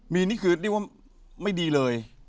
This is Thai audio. มีนนี่คือดิว่าไม่ดีเลย